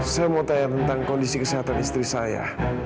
saya mau tanya tentang kondisi kesehatan istri saya